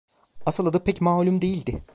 Asıl adı pek malum değildi.